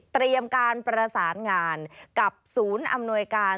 เตรียมการประสานงานกับศูนย์อำนวยการ